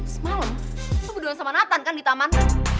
semalam lu berduaan sama nathan kan di taman